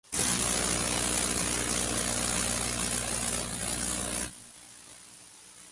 Otros desde vertientes diferentes, como los grupos roqueros Herrumbre, o Bari.